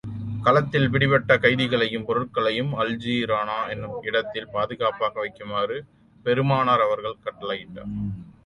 களத்தில் பிடிபட்ட கைதிகளையும், பொருட்களையும் அல்ஜிஃரானா என்னும் இடத்தில் பாதுகாத்து வைக்குமாறு பெருமானார் அவர்கள் கட்டளையிட்டார்கள்.